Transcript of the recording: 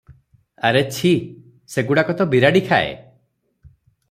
ଆରେ ଛି! ସେ ଗୁଡ଼ାକ ତ ବିରାଡ଼ି ଖାଏ ।